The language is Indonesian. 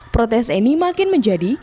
protes annie makin menjadi